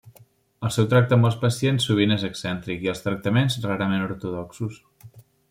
El seu tracte amb els pacients sovint és excèntric i els tractaments rarament ortodoxos.